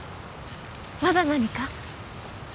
まだ何か？